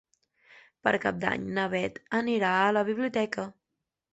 Per Cap d'Any na Bet anirà a la biblioteca.